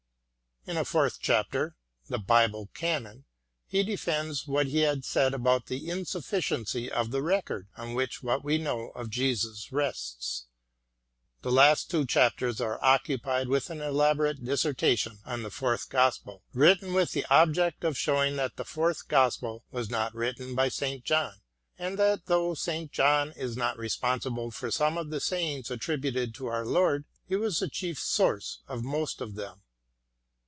In a fourth chapter, " The Bible Canon," he defends what he had said about the insufficiency of the record on which what we know of Jesus rests. The last two chapters are occupied with an elaborate disserta tion on the Fourth Gospel, written with the object of showing that the Fourth Gospel was not written by St. John, and that though St. John is not responsible for some of the sayings attributed to our Lord, he was the chief source of most of them.